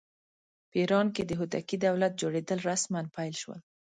په ایران کې د هوتکي دولت جوړېدل رسماً پیل شول.